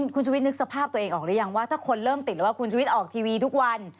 คุณชุวิตนึกสภาพตัวเองออกหรือยังว่าถ้าคนเริ่มติดหรือว่าคุณชุวิตออกทีวีทุกวัน